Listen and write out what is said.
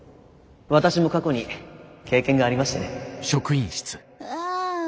私も過去に経験がありましてね。